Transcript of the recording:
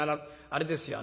あれですよ